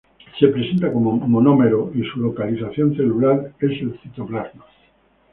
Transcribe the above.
Se presenta como monómero y su localización celular es el citoplasma.